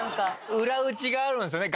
裏打ちがあるんですよね？